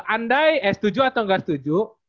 andai eh setuju atau nggak setuju